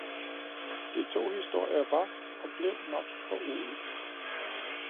De to historier var og blev nok for ole